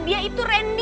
dia itu randy